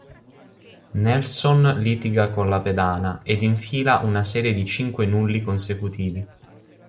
Nelson litiga con la pedana ed infila una serie di cinque nulli consecutivi.